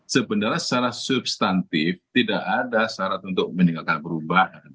sebenarnya secara substantif tidak ada syarat untuk meninggalkan perubahan